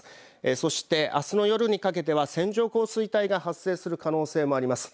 そして、あすの夜にかけては線状降水帯が発生する可能性もあります。